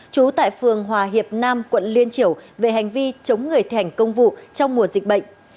trú tại phường hòa hiệp nam quận liên triểu về hành vi chống người thẻnh công vụ trong mùa dịch bệnh